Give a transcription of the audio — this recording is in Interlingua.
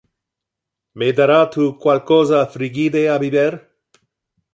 Me dara tu qualcosa frigide a biber?